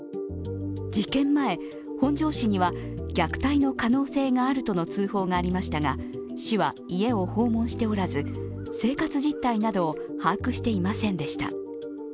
事件前、本庄市には虐待の可能性があるとの通報がありましたが市は家を訪問しておらず、生活実態などを把握していませんでした。